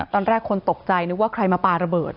ตอนแรกคนตกใจนึกว่าใครมาปลาระเบิด